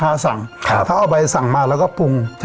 โอ้บอกว่าผมใช้พวกพวกลูกอ่อน